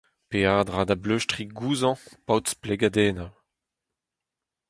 Peadra da bleustriñ gouzañv paotr-splegadennoù.